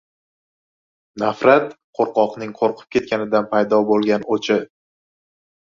Nafrat — qo‘rqoqning qo‘rqib ketganidan paydo bo‘lgan o‘chi.